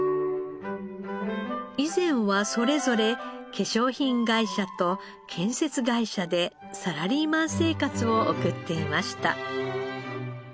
以前はそれぞれ化粧品会社と建設会社でサラリーマン生活を送っていました。